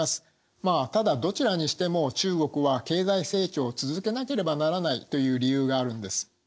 まあただどちらにしても中国は経済成長を続けなければならないという理由があるんです。